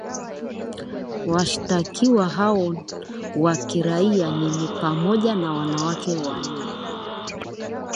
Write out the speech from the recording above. Washtakiwa hao wa kiraia ni pamoja na wanawake wane